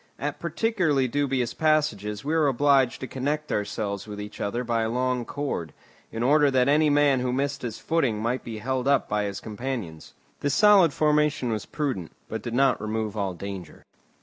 At particularly dubious passages we were obliged to connect ourselves with each other by a long cord, in order that any man who missed his footing might be held up by his companions. This solid formation was prudent, but did not remove all danger.